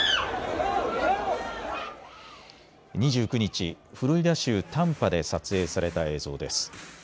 ２９日、フロリダ州タンパで撮影された映像です。